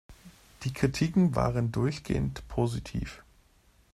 Die Kritiken waren durchgehend positiv.